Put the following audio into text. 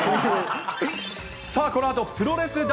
さあ、このあと、プロレス大